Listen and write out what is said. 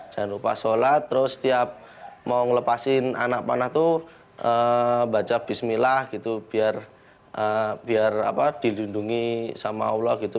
jangan lupa sholat terus setiap mau ngelepasin anak panah itu baca bismillah gitu biar dilindungi sama allah gitu